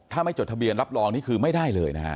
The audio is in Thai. ถ้าไม่จดทะเบียนรับรองนี่คือไม่ได้เลยนะฮะ